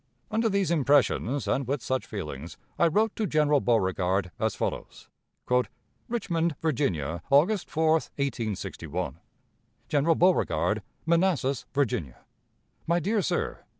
Under these impressions, and with such feelings, I wrote to General Beauregard as follows: "Richmond, Virginia, August 4, 1861. "General Beauregard, Manassas, Virginia. "My Dear Sir